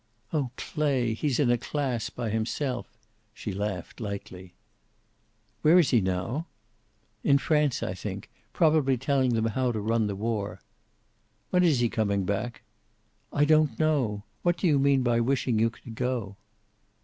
"Oh, Clay! He's in a class by himself." She laughed lightly. "Where is he now?" "In France, I think. Probably telling them how to run the war." "When is he coming back?" "I don't know. What do you mean by wishing you could go?"